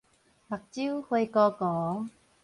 目睭花糊糊